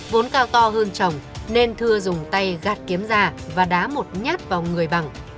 vốn cao to hơn chồng nên thưa dùng tay gạt kiếm già và đá một nhát vào người bằng